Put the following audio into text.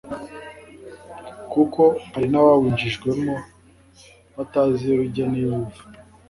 kuko hari n' abawinjijwe mo batazi iyo bijya n' iyo biva.